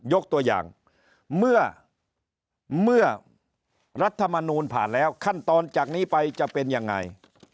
ยกตัวอย่างเมื่อรัฐมนูลผ่านแล้วขั้นตอนจากนี้ไปจะเป็นยังไง